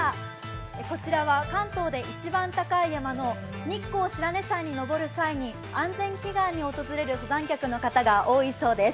こちらは関東で一番高い山の日光白根山に上る際に安全祈願に訪れる登山客の方が多いそうです。